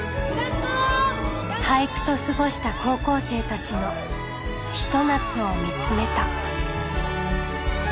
俳句と過ごした高校生たちの一夏を見つめた。